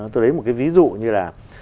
tôi lấy một cái ví dụ như là